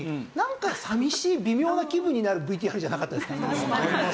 微妙な気分になるＶＴＲじゃなかったですか？